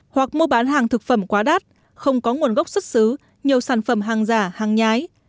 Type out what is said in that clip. hoặc mua bán hàng thực phẩm quá đắt không có nguồn gốc xuất xứ nhiều sản phẩm hàng giả hàng nhái